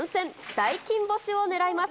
大金星を狙います。